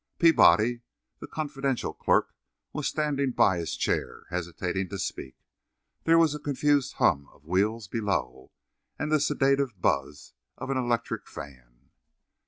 Peabody, the confidential clerk, was standing by his chair, hesitating to speak. There was a confused hum of wheels below, and the sedative buzz of an electric fan.